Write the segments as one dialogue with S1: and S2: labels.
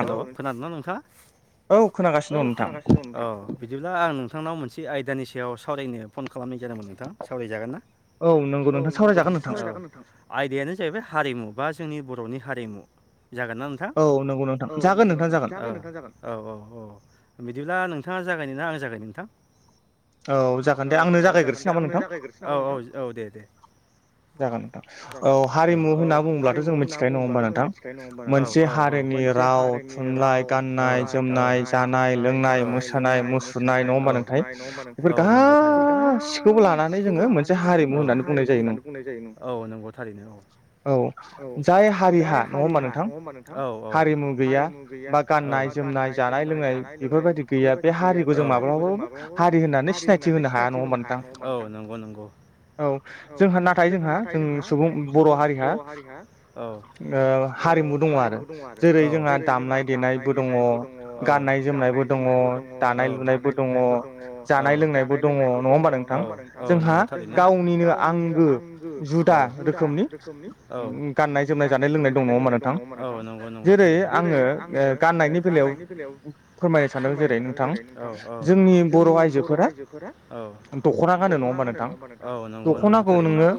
S1: हेल' खोनादोंना नोंथाङा? औ बिदिब्ला आं नोंथांनाव मोनसे आयदानि सायाव सावरायनो फन खालामनाय जादोंमोन नोंथां सावरायजागोन ना? औ नंगौ नोंथां ओ सावराय जागोन नोंथां। आयदायानो जाहैबाय हारिमु बा जोंनि ब बर'नि हारिमु जागोन ना नोंथां। औ औ औ बिदिब्ला नों नोंथाङा जागायनो ना आं जागायनो नोंथां? औ औ औ औ दे दे जागोन औ औ हारिमु होनना बुङोब्लाथ' जों मिथिखायो नङा होमबा नोंथां?
S2: राव थुनलाइ गाननाय जोमनाय जानाय लोंनाय मोसानाय मुसुरनाय नङा होमबा नोंथां? [unintelligible]
S1: बेफोर गासिखौबो लानानै जोङो मोनसे हारिमु होननानै बुंनाय जायो। थारैनो औ।
S2: औ जाय हारिहा नङा होमबा नोंथां? हारिमु गैया बा गाननाय जोमनाय जानाय लोंनाय बेफोरबायदि गैया बे हारिखौ जों माब्लाबाबो हारि होननानै
S1: हारि होननानै सिनायथि होनो हाया नङा होमबा नोंथां?
S2: औ जोंहा नाथाय जोंहा जों सुबुं बर' हारिहा ओ हारिमु दङ आरो जेरै जोंहा दामनाय देनायबो दङ गाननाय जोमनायबो दङ दानाय लुनायबो दङ। जा
S1: जानाय लोंनायबो दङ नङा होमबा नोंथां? जोंहा गावनिनो आंगो दा रोखोमनि गाननाय जोमनाय जानाय लोंनाय दं नङा होमबा नोंथां?
S2: आङो ओ गाननायनि बेलायाव फोरमायनो सानदों जेरै नोंथां जोंनि बर' आइजो फोरा दख'ना गानो नङा होमबा नोंथां? दख'नाखौ नोङो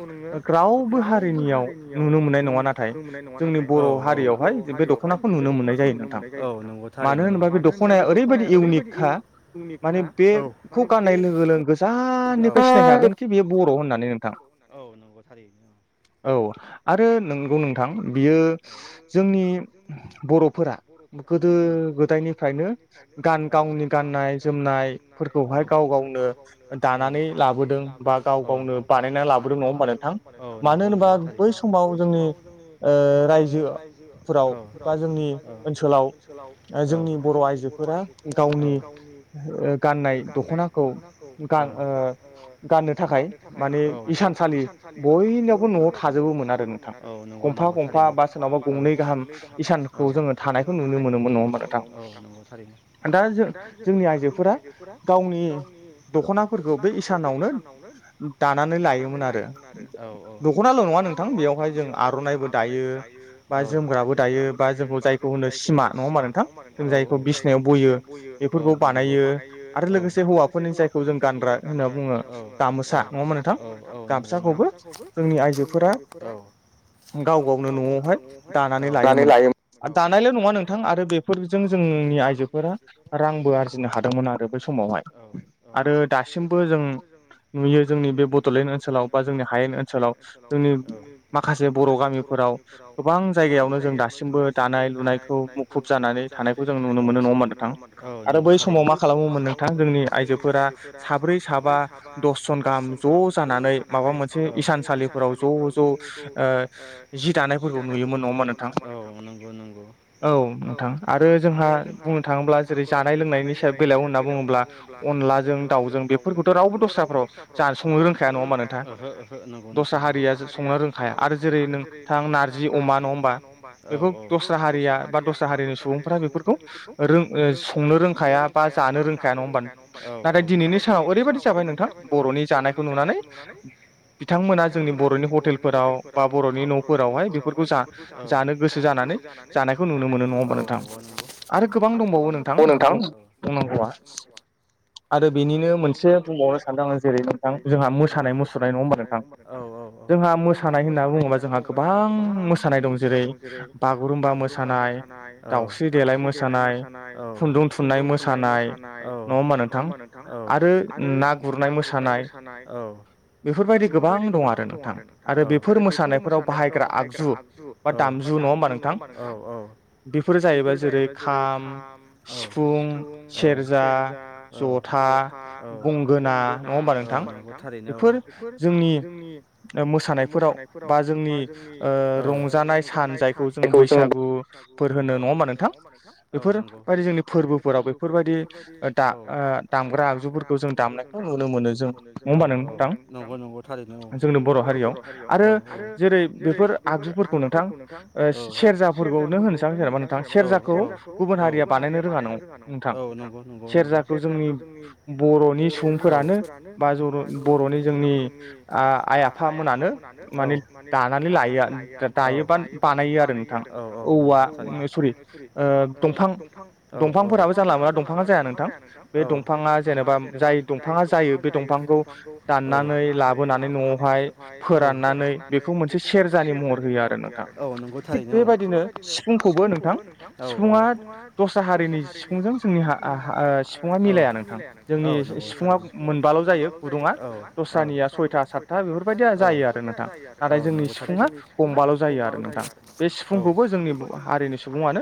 S2: राव बो हारिनियाव नुनो मोननाय नङा नाथाय जोंनि बर' हारियावहाय बे दख'ना खौ नुनो मोननाय जायो नोंथां। मानो होनोबा बे दख'नाया ओरैबायाददि इउनिकखा माने बे खौ गाननाय लोगो लोगो गोजा ननिनिफ्राय सिनायखागोन कि बेयो बर' होननानै नोंथां। औ आरो नंगौ नोंथां बियो जोंनि बर'फोरा गोदो गोदायनिफ्रायनो गान-गावनि गाननाय जोमनाय फोरखौहाय गाव गावनो दा नानै लाबोदों बा गाव गावनो बानायनानै लाबोदों नङा होमबा नोंथां? मानो होनोबा बै समाव
S1: औ औ औ औ
S2: जोंनि बर' आइजोफोरा गावनि गाननाय दख'नाखौ
S1: औ औ औ औ औ नंगौ नंगौ थारैनो औ औ नंगौ थारैनो
S2: दा जों जोंनि आइजोफोरा गावनि दख'ना
S1: औ औ औ औ औ औ औ औ
S2: आरो लोगोसे हौवाफोरनि जायखौ जों
S1: औ औ औ औ नंगौ नोंथां औ औ
S2: दानायल' नङा नोंथां आरो बेफोरजों जोंनि आइजोफोरा रांबो आरजिनो हादोंमोन आरो। आरो बै समावहाय आरो दासिमबो जों नुयो जोंनि बे बड'लेण्ड ओनसोलाव बा जोंनि हायेन ओनसोलाव जोंनि माखासे बर' गामिफोराव गोबां जायगायावनो जों दासिमबो दानाय लुनायखौ मुखुब जाना नै थानायखौ जों नुनो मोनो नङा होमबा नोंथां आरो बै समाव मा खालामोमोन नोंथां जोंनि आइजोफोरा साब्रै साबा दसजन गाहाम ज' जानानै माबा मोनसे इसानसालिफोराव ज' ज'
S1: ज' ज' ओ जि दानायफोरखौ नुयोमोन नङा होमबा नोंथां औ नंगौ नंगौ
S2: औ नोंथां आरो जोंहा बुंनो थाङोब्ला जेरै जानाय लोंनायनि सायाव बेलायाव होनना बुङोब्ला अनला
S1: अनलाजों दाउजों बेफोरखौथ' रावबो दस्राफ्रा [unintelligible] रोंखाया नङा होनबा ओहो ओहो नंगौ नोंथां औ हारिया संनो रोंखाया आरो जेरै नोंथां नारजि अमा नङा होमबा औ औ बेखौ दस्रा हारिया
S2: दस्रा हारिनि सुबुंफोरा बेफोरखौ रों संनो रोंखाया बा जानो रोंखाया नङा होमबा
S1: औ औ नाथाय दिनैनि सानाव ओरैबादि जाबाय नोंथां बरनि जानायखौ नुनानै
S2: बिथांमोना जोंनि बर'नि हटेलफोराव बा बर'नि न'फोरावहाय बेफोरखौ जा जानो गोसो जाना नै जानायखौ नुनो मोनो नङा होनबा नोंथां आरो गोबां दंबावो नोंथां बुं बुंनांगौ आ आरो बेनिनो मोनसे बुंबावनो सानदों आङो जेरै नोंथां जोंहा मोसानाय मुसुरनाय नङा होमबा नोंथां जोंहा मोसानाय होनना बुङोबा जोंहा गोबां मोसानाय दं जेरै बागुरुमबा मोसानाय
S1: मोसानाय औ दावस्रि देलाय मोसानाय औ खुनदुं थुननाय मोसानाय औ नङा होनबा आरो औ आरो ना गुरनाय मोसानाय औ
S2: बेफोरबायदि गोबां दं आरो नोंथां आरो बेफोर मोसानायफोराव बाहायग्रा आगजु बा दामजु
S1: दामजु नङा होनबा नोंथां औ औ
S2: बेफोर जाहैबाय जेरै खाम सिफुं सेरजा जथा गंगोना नङा होमबा नोंथां बेफोर जोंनि मोसानायफोराव बा जोंनि ओ रंजानाय सान जायखौ जोङो बैसागु
S1: औ औ नंगौ
S2: फोरबोफोराव बेफोरबायदि दा
S1: ओ दामग्रा आगजुफोरखौ जों दामनायखौ नुनो मोनो जों औ औ नंगौ नंगौ थारैनो औ
S2: बर' हारियाव आरो जेरै बेफोर आगजुफोरखौ नोंथां ओ सेरजाफोरखौनो खिन्था गोरनोसां जेनबा नोंथां सेरजाखौ गुबुन हारिआ बानायनो
S1: बानायनो रोङा औ नंगौ नंगौ नंगौ
S2: खौ जोंनि बर'नि सुबुंफोरानो बा बर'नि जोंनि आ आइ आफामोनानो माने दानानै लायो दायोबा बानायो आरो नोंथां औवा सरि ओ दंफां- दंफांफोराबो जानला मोनला दंफाङा जाया नोंथां
S1: औ बे दंफांङा जेनबा जाय दंफांआ जायो बे दंफांखौ औ दाननानै लाबोना नानै न'आवहाय फोराननानै बेखौ मोनसे सेरजानि महर होयो आरो औ नंगौ थारैनो औ बेबाय
S2: सिफुंखौबो नोंथां सिफुङा दस्रा हारिनि सिफुंजों जोंनि हा ओ हा सिफुङा मिलाया नोंथां जोंनि सिफुङा मोनबाल' जायो गुदुङा दस्रानिया सयथा सात
S1: [unintelligible] औ औ नंगौ थारैनो औ
S2: जोंनि हारिनि सुबुङानो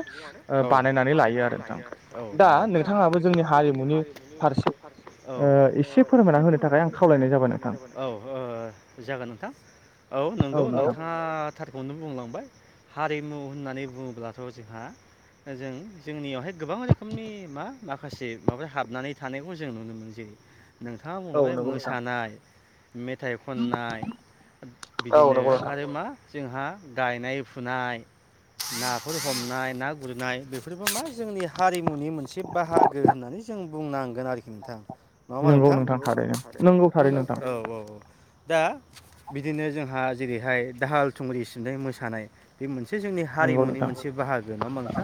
S2: ओ बानायनानै लायो आरो नोंथां दा नोंथाङाबो
S1: [unintelligible] औ
S2: जोंनि हा
S1: औ ओ जागोन नोंथां औ नंगौ नोंथाङा थारखौनो बुंलांबाय हारिमु होननानै बुङोब्लाथ' जोंहा जों जोंनियावहाय गोबां रोखोमनि मा माखासे माबा हाबनानै थानायखौ जों नुनो मोनो जेरै नोंथाङा बुंलांबाय मोसानाय मेथाइ खननाय बिदिनो आरो मा जोंहा गायनाय फुनाय नाफोर हमनाय ना गुरनाय बेफोरबो मा जोंनि हारिमुनि मोनसे बाहागो होननानै जों बुंनांगोन आरो नोंथां नङा होमबा नोंथां नंगौ नोंथां थारैनो नोंगौ थारैनो औ औ औ दा बिदिनो जोंहा जेरैहाय दाहाल थुंग्रि सिबनाय मोसानाय बे मोनसे मोनसे जोंनि हारिमुनि मोनसे बाहागो नङा होमबा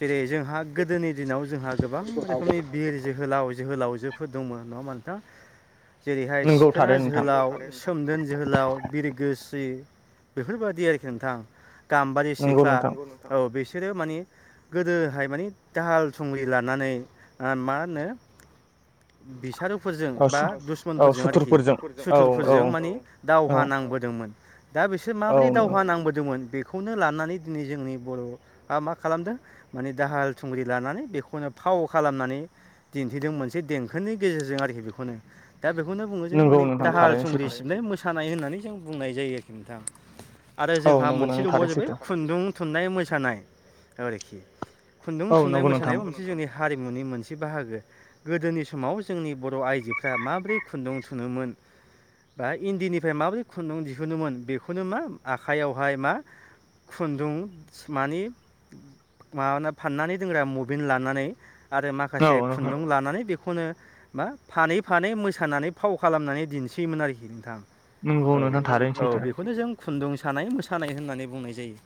S1: जेरै जोंहा गोदोनि दिनाव जोंहा गोबां रोखोमनि बिर जोहोलाव जोहोलावजोफोर दंमोन नङा होमबा नोंथां? जेरैहाय सिखोना जोहोलाव सोमदोन जोहोलाव बिरगो स्रि बेफोरबायाददि आरोखि नोंथां गाम्बारि सिख्ला औ बे सोरो माने गोदोहाय मान दाहाल थुंग्रि ला नानै मा होनो बिसारु फोरजों बा दुस्मनफोरजों आरोखि सुथुरफोरजों मानि दावहा नांबोदोंमोन। दा बिसोर माबोरै दावहा नांबोदोंमोन। बे बेखौनो लानानै दिनै जोंनि बर'आ मा खालामदों माने दाहाल थुंग्रि लानानै बेखौनो फाव खालामनानै दिन्थिदों मोनसे देंखोनि गेजेरजों आरोखि बेखौनो दा बेखौनो बुङो जों माने दाहाल थुंग्रि सिबनाय मोसानाय होननानै जों बुंनाय जायो आरोखि नोंथां। आरो जोंहा मोनसे दंबावो जाबाय खुन्दुं थुननाय मोसानाय आरोखि खुन्दुं थुननाय मोसानायाबो मोनसे जोंनिया हारिमुनि मोनसे बाहागो गोदोनि समाव जोंनि बर' आइजोफ्रा माबोरै खुन्दुं थुनोमोन। [inaudible] बा इन्दिनिफ्राय माबायदि खुन्दुं दिहुनोमोन बेखौनो मा आखाइयावहाय मा खुन्दुं मानि माबा फाननानै दोनग्रा बबिन लानानै आरो माखासे खुन्दुं लानानै बे बेखौनो बा फानै फानै मोसानानै फाव खालामनानै दिनयोमोन आरोखि नोंथां। औ औ बेखौनो जों खुन्दुं सानाय मोसानाय होननानै बुंनाय जायो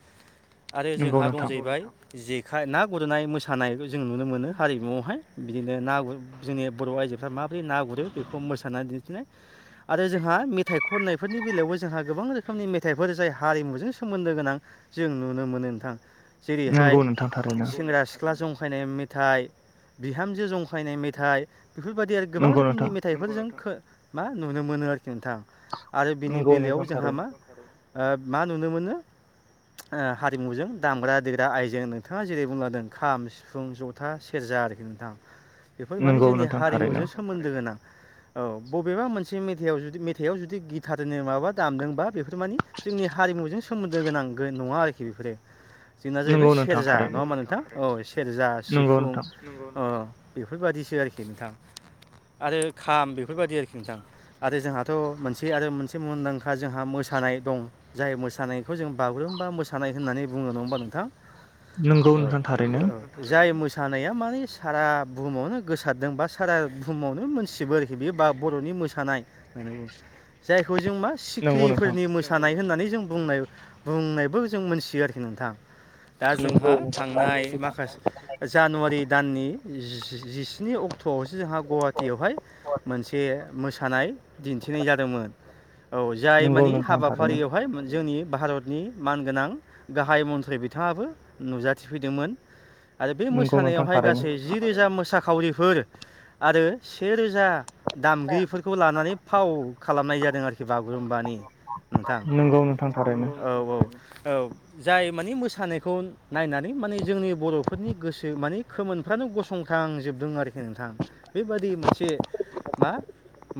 S1: आरो जोंहा दं जाहैबाय जेखाय ना गुरनाय मोसानायखौ जों नुनो मोनो। हारिमुआवहाय बिदिनो ना गु जोंनि बर' आइजोफ्रा माबोरै ना गुरो बेखौ मोसानानै दिन्थिनाय आरो जोंहा मेथाइ खननायफोरनि बेलायावबो जोंहा गोबां रोखोमनि मेथाइफोर जाय हारिमुजों सोमोन्दो गोनां। जों नुनो मोनो नोंथां जेरैहाय सेंग्रा सि सिख्ला जंखायनाय मेथाइ बिहामजो जंखायनाय मेथाइ बेफोरबायदि आरो गोबां रोखोमनि मेथाइफोरजों मा नुनो मोनो आरोखि। नोंथां आरो बिनि बेलायाव जोंहा मा मा नुनो मोनो? हारिमुजों दामग्रा देग्रा आइजों नोंथाङा जेरै बुंलादों खाम सिफुं ज था सेरजा आरोखि नोंथाङा बेफोर माने जोंनि हारिमुजों सोमोन्दो गोनां। औ बबेबा मोनसे मेथाइआव जुदि मेथाइआव जुदि गिटारनो माबा दामदोंबा बेफोर मानि जोंनि हारि जों सोमोन्दो गोनां नङा आरोखि बेफोरो जोंना जाहैबाय सेरजा नङा होनबा नोंथां औ सेरजा सिफुं अ बेफोरबायदिसो आरोखि नोंथां आरो खाम बेफोरबायदि आरोखि नोंथां। आरो जोंहाथ' मोनसे आरो मोनसे मुंदांखा जोंहा मोसानाय दं जाय मोसानायखौ जों बाग्रुुम बा मोसानाय होननानै बुङो नङा हा नोंथां औ जाय मोसानाया माने सारा बुहुमावनो गोसारदों बा सारा बुहुमावनो मोनथिजोबो आरोखि बे बा बर'नि मोसानाय होननानै जाय बेखौ जों मा सिखिरिफोरनि मोसानाय होननानै जों बुंनाय बुंनायबो जों मोनथियो आरोखि नोंथां दा जोंहा थांनाय माखासे जानुवारि दाननि जिस्नि अक्ट'आवसो जोंहा गुवाहाटियावहाय मोनसे मोसानाय दिन्थिनाय जादोंमोन। औ जाय मानि हाबाफारियावहाय जोंनि भारतनि मानगोनां गाहाय मन्थ्रि बिथाङाबो नुजाथिफैदोंमोन। आरो बे मोसानायावहाय गासै जि रोजा मोसाखावरिफोर आरो सेेरोजा फुजा दामगिरिफोरखौ लानानै फाव खालामनाय जादों आरोखि बागुरुम्बानि नोंथां औ औ जाय माने मोसानायखौ नायनानै माने जोंनि बर' फोरनि गोसो माने खोमोनफ्रानो गसंथांजोबदों आरोखि। नोंथां बेबादि मोनसे मा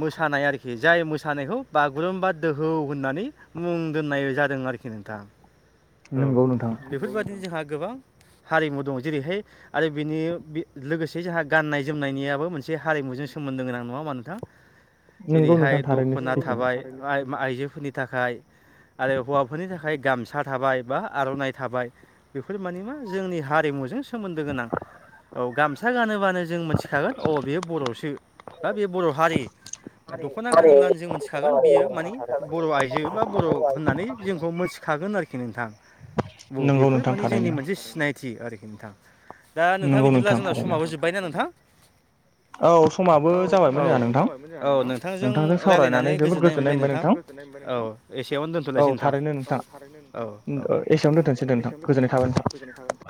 S1: मोसानाय आरोखि जाय मोसानायखौ बागुरुम्बा दोहौ होननानै मुं दोननाय जादों आरोखि। नोंथां औ बेफोरबायाददिनो जोंहा गोबां हारिमु दं। जेरैहाय आरो बिनि लोगोसे जोंहा गाननाय जोमनायनियाबो मोनसे हारिमुजों सोमोन्दो गोनां नङा। नोंथां जेरैहाय दख'ना थाबाय आइजोफोरनि थाखाय आरो हौवाफोरनि थाखाय गामसा थाबाय बा आर'नाइ थाबाय बेफोर माने मा जोंनि हारिमु सोमोन्दो गोनां औ गामसा गानोबानो जों मि मोनथिखागोन अ बेयो बरसो बा बेयो बर हारि दखना गानबानो जों मोनथिखागोन बियो माने बर आइजो बा बर होननानै जोंखौ मिथिखागोन। थागोन आरोखि नोंथां ब बेफोर माने जोंनि मोनसे सिनायथि आरोखि नोंथां दा नोंथाङा बिदिब्ला जोंना समाबो जोब्बाय ना नोंथां। औ सम जाब औ नोंथांजों रायलायनानै गोजोननाय मोनबाय नोंथां। औ एसेयावनो दोन्थलायसै नोंथां औ थारैनो औ औ औ एसेयावनो दोनथनोसै दे। गोजोननाय थाबाय नोंथां।